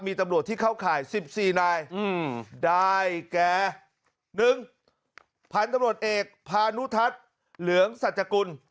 มีตำรวจที่เข้าข่าย๑๔นายได้แก่๑พันธุ์ตำรวจเอกพานุทัศน์เหลืองสัจกุล